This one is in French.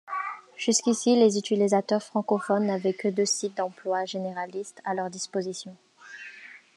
Jusqu'ici, les utilisateurs francophones n'avaient que deux sites d'emplois généralistes à leur disposition.